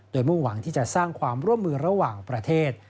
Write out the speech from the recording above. โดยมุ่งหวังที่จะสร้างความร่วมมือระหว่างประเทศ